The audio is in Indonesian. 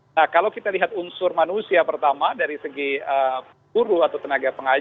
nah kalau kita lihat unsur manusia pertama dari segi guru atau tenaga pengajar